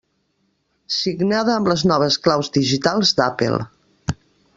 Signada amb les noves claus digitals d'Apple.